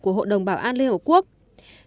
của hội đồng bảo an liên hợp quốc